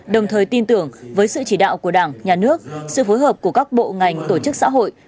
đồng thời tin tưởng với sự chỉ đạo của đảng nhà nước sự phối hợp của các bộ ngành tổ chức xã hội